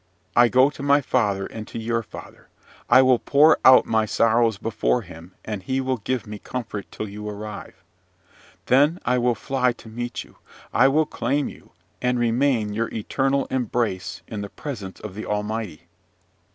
I go to my Father and to your Father. I will pour out my sorrows before him, and he will give me comfort till you arrive. Then will I fly to meet you. I will claim you, and remain your eternal embrace, in the presence of the Almighty.